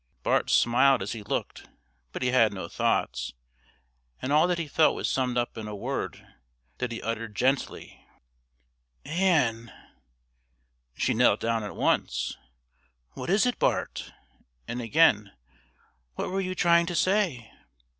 Bart smiled as he looked, but he had no thoughts, and all that he felt was summed up in a word that he uttered gently: "Ann!" She knelt down at once. "What is it, Bart?" and again: "What were you trying to say?"